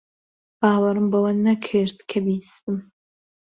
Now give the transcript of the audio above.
باوەڕم بەوە نەکرد کە بیستم.